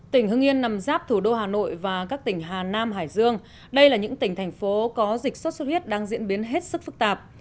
tỉnh hưng yên nằm giáp thủ đô hà nội và các tỉnh hà nam hải dương đây là những tỉnh thành phố có dịch sốt xuất huyết đang diễn biến hết sức phức tạp